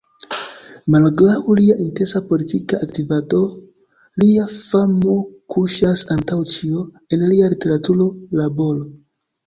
Malgraŭ lia intensa politika aktivado, lia famo kuŝas, antaŭ ĉio, en lia literatura laboro.